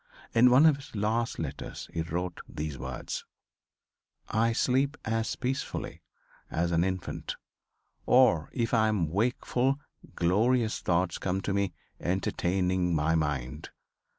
In one of his last letters he wrote these words: "I sleep as peacefully as an infant, or if I am wakeful glorious thoughts come to me entertaining my mind.